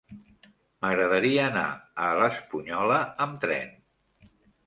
M'agradaria anar a l'Espunyola amb tren.